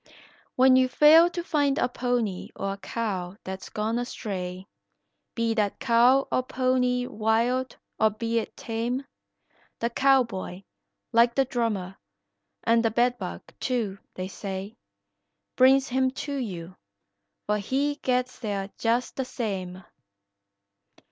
When you fail to find a pony or a cow that's gone a stray, Be that cow or pony wild or be it tame, The cowboy, like the drummer, and the bed bug, too, they say, Brings him to you, for he gets there just the same.